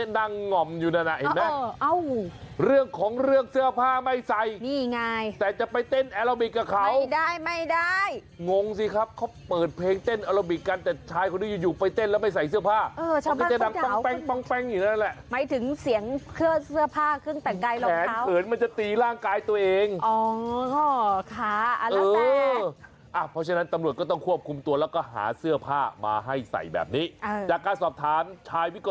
แต่อย่างหนึ่งที่ผมรู้สึกไม่ค่อยสบายใจ